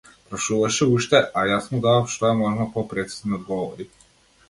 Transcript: Прашуваше уште, а јас му давав што е можно попрецизни одговори.